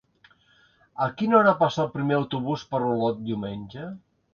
A quina hora passa el primer autobús per Olot diumenge?